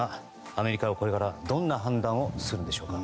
アメリカはこれからどんな判断をするんでしょうか。